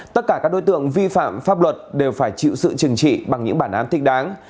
tất cả các đối tượng vi phạm pháp luật đều phải chịu sự trừng trị bằng những bản án thích đáng